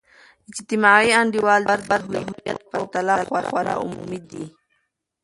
اجتماعي انډول د فرد د هویت په پرتله خورا عمومی دی.